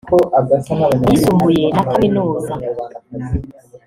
ayisumbuye na kaminuza